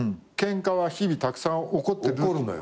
ケンカは日々たくさん起こってる？